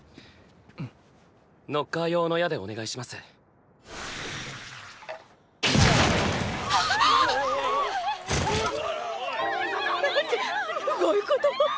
ノッカー用の矢でお願いします。！！なんてむごいことを！！